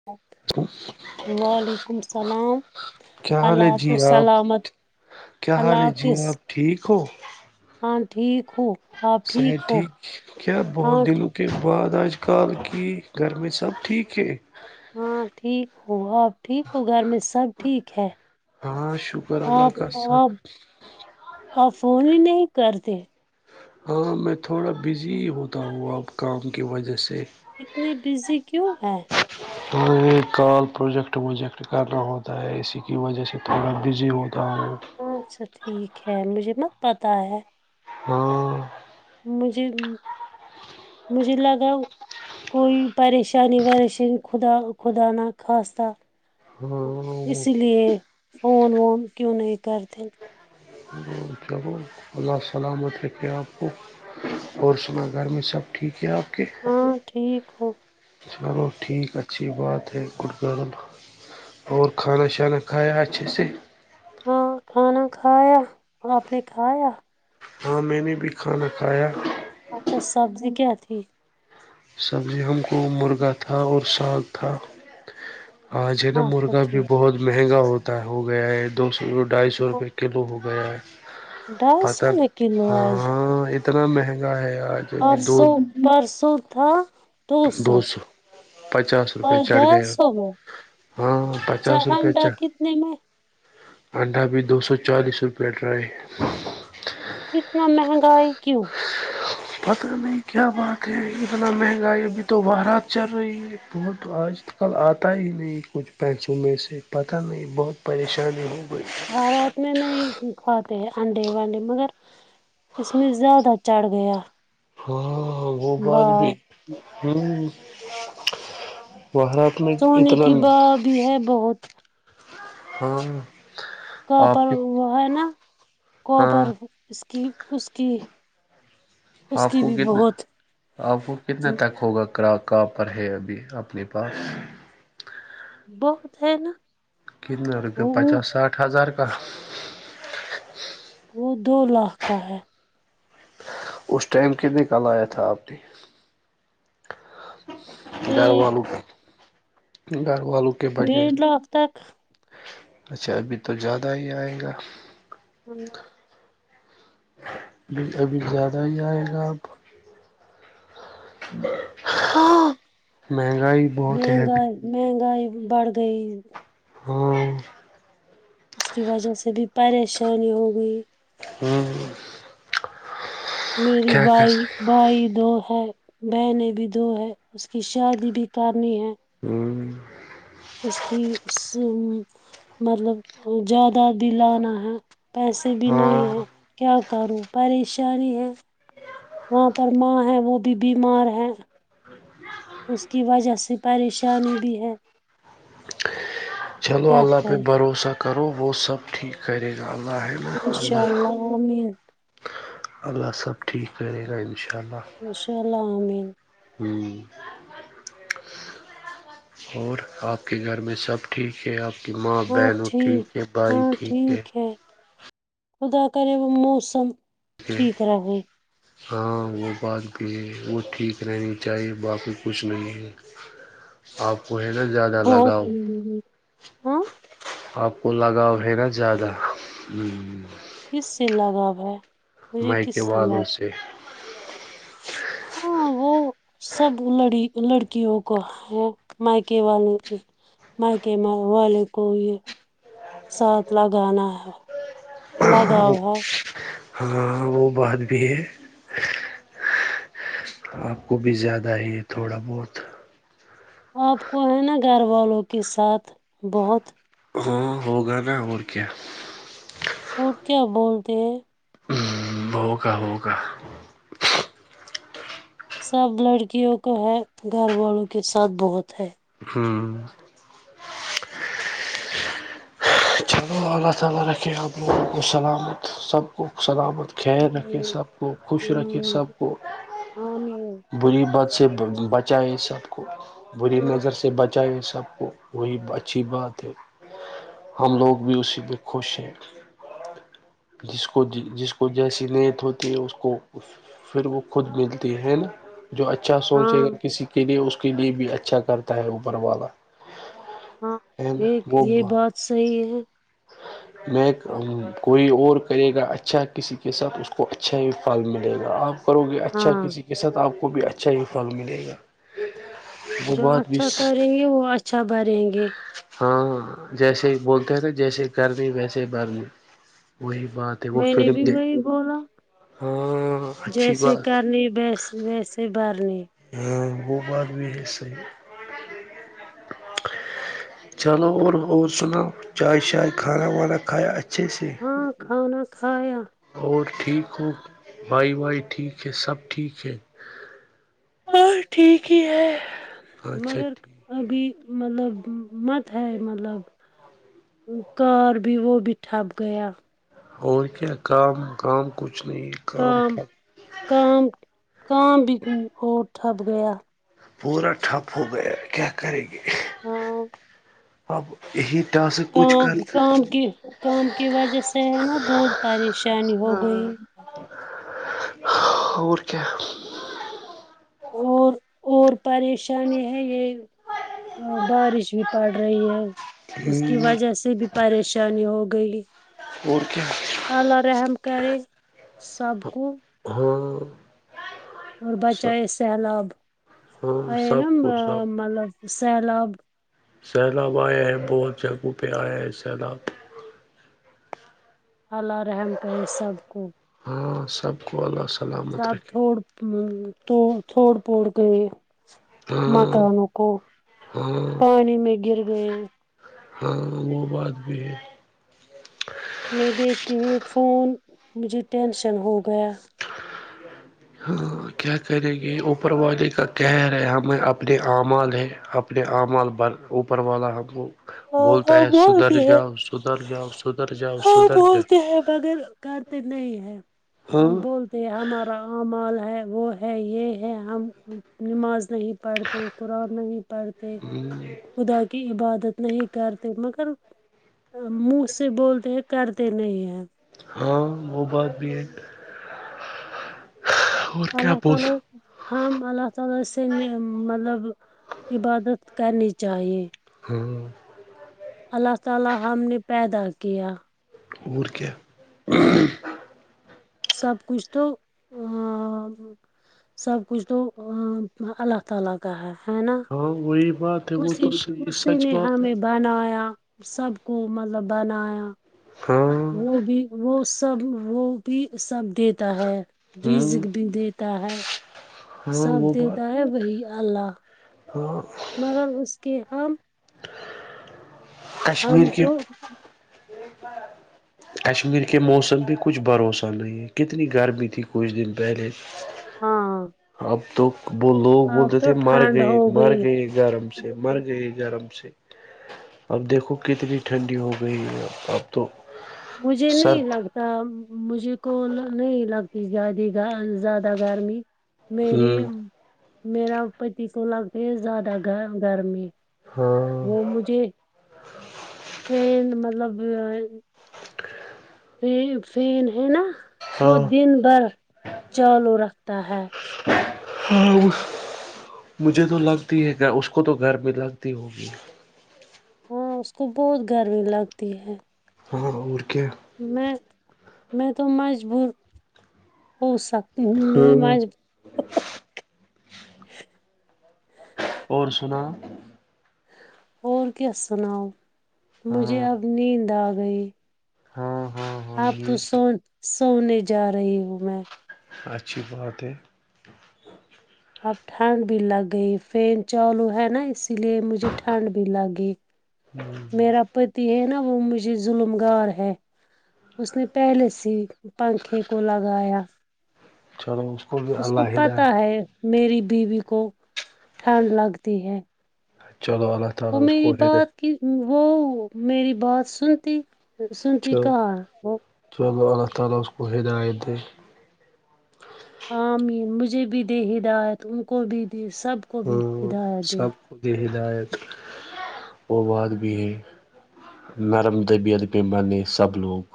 [inaudible] وعلیکم السلام کیا حال ہے اللہ جی کو آپ سلامت کیا حال اللہ ہے جی کس آپ ٹھیک ہو ہاں ٹھیک ہو آپ صحیح ہو ٹھیک کیا بہت ہاں دن ٹھی- کے بعد آج کل کی گھر میں سب ٹھیک ہے ہاں ٹھیک ہو آپ ٹھیک ہو گھر میں سب ٹھیک ہے ہاں شکر اللہ کااصب اور فون ہی نہیں کرتے ہاں میں تھوڑا بزی ہوتا ہوں اب کام کی وجہ سے اتنی بزی کیوں ہے ہ ہمیں کال پروجیکٹ ووجیکٹ کرنا ہوتا ہے اسی کی وجہ سے تھوڑا بزی ہوتا ہو اچھا ٹھیک ہے مجھے نا پتا ہے ہاں مجھے مجھے لگاؤ کوئی پریشانی وریشانی خدا خدا نا خاستہ ہاں اسی لیے فون وون کیوں نہیں کرتے کیا اللہ سلامت ہے کہ آپ کو اور سنا گھر میں سب ٹھیک ہے آپ کے ہاں ٹھیک ہو چلو ٹھیک اچھی بات ہے گڈ گن اور کھانا شانا کھایا اچھے سے ہاں کھانا کھایا آپ نے کھایا ہاں میں نے بھی کھانا کھایا اچھا سبزی کیا تھی سبزی ہم کو مرغا تھا اور ساگ تھا ہاں جناا اچھا مرغا بھی ٹھیک بہت مہنگا ہوتا ہو گیا ہے دو سو ڈھائی سو روپے کلو ہوگیا گ ڈھائی پت سو میں کلو آج ہاں اتنا مہنگا ہے آج ابھی دو پرسوں پرسوں تھا دو سو پچاس روپئے اور چڑھ ڈھائی گئے سو میں ہاں اچھا پچاس روپئے انڈا چڑ کتنے میں انڈا بھی دو سو چالیس روپئے ڈر ہے اتنا مہنگا کیوں پتہ نہیں کیا بات ہے اتنا مہنگائی ابھی تو برات چل رہی ہے بہ تو آج تک کل آتا ہی نہیں کچھ پینسوں میں سے پتہ نہیں بہت پریشانی ہو گئی وارات میں نہیں کھواتے انڈے وانڈے مگر اس میں زیادہ چھ گیا ہاں وہ بات بھی باؤ ہ وہاں اتنا سونے اتنا کی بھا بھی ہے بہت ہم کاپر وہ ہے نا ہاں کاپر اس کی اس کیی آپ کو کتنا آپ کو کتنے تک ہوگا کہاں پر ہے ابھی اپنے پاس بہت ہے نا کتنا روپئے وہ پچاس ساٹھ ہزار کا وہ دو لاکھ کا ہے اس ٹائم کے ن کال آیا تھا آپ نے گھر ایک والوں کا گھر والوں کے بجیر ڈیڑھ لاکھ تک اچھا ابھی تو زیادہ ہی آئے گا ہاں ابھی زیادہ ہی آئے گا آپ ہاں مہنگائی بہت ہے ابھی مہنگائی مہنگائی بڑھ گئی ہوں اس کی وجہ سے بھی پریشانی ہو گئی ہوں ہ میری کر بائی بھائی دو ہے بہنیں بھی دو ہے اس کی شادی بھی کرنی ہے ہوں اس کی مطلب زیادہ دلنا ہے پیسے بھی نہیں ہاں ہیں کیا کروں پریشانی ہے وہاں پر ماں ہے وہ بھی بیمار ہے اس کی وجہ سے پریشانی بھی ہے چلو کیا اللہ پہ کریں بھروسہ کرو وہ سب ٹھیک کرے گا اللہ ہے نا اللہ ا مین اللہ سب ٹھیک کرے گا ان شاء اللہ ان شاء الامن ہوں اور آپ کے گھر میں سب ٹھیک ہے آپ کہ ماں بہنوں ٹھیک ہے بھائی ٹھیک ہے خدا کرے وہ موسم ٹھیک رہے ہاں وہ بات بھی ہے وہ ٹھیک رہنی چاہیے باقی کچھ نہیں ہے آپ کو ہے نا زیادہ بہت لگاؤ ہاں آپ کو لگاؤ ہے نا زیادہ ہ کس سے لگاؤ ہے مجھے مائ کس کے والوں لگ سے ہاں وہ ج سب لڑی لڑکیوں کو وہ مائکے والے کے مائک والے کو یہ ساتھ لگانا ہے لگؤ ہے ہاں وہ بات بھی ہے آپ کو بھی زیادہ ہی تھوڑا بہت آپ کو ہے نا گھر والوں کے ساتھ بہت ہاں ہوگا نا اور کیا پور کیایا بولتے ہیں ہووگا ہوگا سب لڑکیوں کو ہے گھر والوں کے ساتھ بہت ہے ہوں اپ لوگوں کو سلام سب کو سلامت خل رکھیں سب کو خوش رکھیں سب کو اورمی بری بات سے بچا ہے سب کو بری نظر سے ب چاہیے سب کو وہی اچھی بات ہے ہم لوگ بھی اسی میں خوش ہیں جس کو جس کو جیسی نیت ہوتی ہے اس کو پھر وہ خود ملتی ہے نا جو اچھا سوچے گا ہاں کسی کے لیے اس کے لیے بھی اچھا کرتا ہے اوپر والا ہاں ایک یہ وہو بات صحیح ہے ہاں میںیک کوئی اور کرے گا اچھا کسی کے ساتھ اس کو اچھا ہی پھل ملے گا اب کرو گے اچھا ہاں کسی کے ساتھ آپ کو بھی اچھا ہی فل ملے گا وہ جو بات بھی اچھا کریں گے وہ اچھا بریں گے ہاں جیسے بولتے ہیں تو جیسے کرنی ویسے برنی وہی بات ہے وہ میں نے فلم بھی دے وہی بولا ہاں اچھی جیسے بات کرنی ویس ویسے اس بار نے ہاں وہ بات بھی ہے صحیح چلو اور اور سنو چائے شائے کھانا وانا کھایا اچھے سے ہاں کھانا کھایا اور ٹھیک ہو بھائی بھائی ٹھیک ہے سب ٹھیک ہے اور ٹھیک ہی ہے اچھا مگر ٹھیک ابھی مطلب مت ہے مطلب کار بھی وہ بھی ٹھپ گیا اور کیا کام کام کچھ نہیں کام کام کام بھی اور تھٹھپ گیا پورا ٹھپ ہو گیا کیا کریں گے ہاں اپ کو یہی انداز کام کام کی کام کی وجہ سے ہے نا بہت پریشانی ہو گئی اور کیا اور اور پریشانی ہے یہ ہاں بارش بھی پڑ رہی ہے اس کی ہ وجہ سے بھی پریشانی ہو گئی اور کیا اللہ رحم کرے سب کو ہاں اور سب بچہ یہ سہلاب آ ہاں سب نا کچھ سب مطلب سہلاب سیلاب آئے ہیں بہت جگہوں پہ آئے ہیں سیلاب اللہ رحم کرے سب کو ہاں سب واہ واہ سلام سب تھوڑ تھوڑ پھوڑ کر ہاں مکانوں کو ہاں پانی میں گر گئے ہاں وہ بات بھی ہے میں دیکھتی ہوں ایک فون مجھے ٹینشن ہو گیا ہاں کیا کریں گے اوپر والے کا قہر ہے ہمیں اپنے اعمال ہے اپنے آعمال بھر اوپر والا ہم کو ہاں بولتا ہاں ہے سدھر بولتے ہیں جاؤ سدھر جاؤ سدھر جاؤ ہاں سدر جا بولتے ہیں مگر کرتے نہیں ہے ہم بول کہ ہمارا امال ہے وہ ہے یہ ہے ہم نماز نہیں پڑھتے قرآن نہیں پڑھتے خدا کی عبادت نہیں کرتے مگر منہ سے بولتے ہیں کرتے نہیں ہیں ہاں وہ بات بھی ہے اور ال ن کیا تو بولتا نہیں شمائدہ کے سامنے مطلب عبادت کرنی چاہیے پ [unintelligible] [unintelligible] اور کیا سب کچھ تو ا [unintelligible] ہاں وہی بات ہے وہ خی تو صحیح خی سچ نے بات ہے ہمیں بنایا سب کو مطلب بنایا ہاں وہ بھی وہ سب وہ بھی سب دیتا ہے ہ رز بھی دی ہے ہاں سب وہ دیتا بات ہے بی اللہ ہاں مگر اس کے ہم کشمیر ہم کے تو کشمیر کے موسم پہ کچھ بھروسہ نہیں ہے کتنی گرمی تھی کچھ دن پہلے ہاںاں اب تو وہ لوگ بولتے تھے مر ٹھنڈ گئے ہو مر گئی گئے گرم سے مر گئے گرم سے اب دیکھو کتنی ٹھنڈی ہو گئی ہے اب تو مجھے نہیں سرد لگتا مجھے کو نہیں لگتی زیادہ زیادہ گرمی میری ہوں میرا پتی کو لگتے ہے زیادہ گ گرمی ہاں [inaudible] وہ مجھے پ مطلب فین ہے نا وہ ہاں دن بھر چالو رکھتا ہے ہگ مجھے تو لگتی ہے اس کو تو گھر میں لگتی ہوگی ہاں اس کو بہت گرمی لگتی ہے ہاں اور کیا میں میں تو مجبور ہو سکتی ہوں میں ہاں مج اور سنا اور کیا سناؤ مجھے ہاں اب نیند آ گئی ہاں ہاں ہاں آپ تو یہ سو سونے جا رہی ہو میں اچھی بات ہے اب ٹھنڈ بھی لگ گئی فین چالو ہے نا اس سے اس لیے مجھے ٹھنڈ بھی لگی میرا پ ت ہے نا وہ مجھے ظلم گار ہے اس نے پہلے سے پنکھے کو لگایا چھ اسکول اس کو پتہ ہے میری بیوی کو ٹھنڈ لگتی ہے چلو اللہ تعالی وہ اس میری کو ہدے بات کی وہ میری بات سنتی سنتی چلو کہا وہ [unintelligible] عامیر مجھے بھی دے ہدایت ان کو بھی دے سب کو ہ بھی ہدایت دے سب کو د ہ لایت وہ بات بھی ہے نرم دبیعت پہ بانے سب لوگ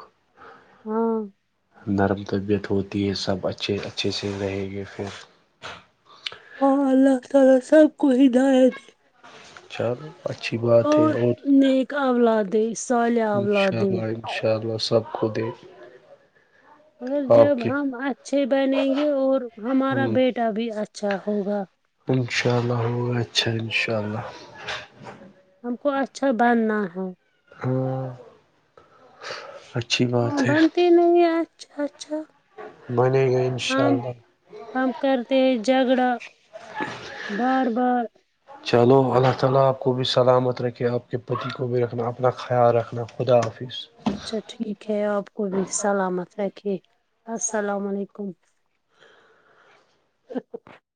ہاں نرم طبیعت ہوتی ہے سب اچھے اچھے سے رہیں گے پھر ہاں اللہ تعالی سب کوئی د ہے د ا چل اچھی بات ہے اور نیک اولاد دے صالح اولاد اشاء دے اللہ ان شاء اللہ سب خود ہے مگر جب ہم اچھے بنیں گے اور ہمارا بیٹا بھی اچھا ہوگا اشاء اللہ ہو گچا ان شاء اللہ ہم کو اچھا بننا ہے ہوں اچھا ہم بنتے نہیں اچھا اچھا بنے گئے ان شاء ہم اللہ ہم کرتے جگڑا بار بار [unintelligible] اچھا ٹھیک ہے آپ کو بھی سلامت رکھیے السلام علیکم [unintelligible] ا